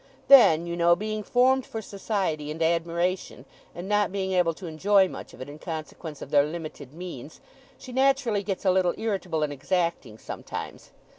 Then, you know, being formed for society and admiration, and not being able to enjoy much of it in consequence of their limited means, she naturally gets a little irritable and exacting, sometimes.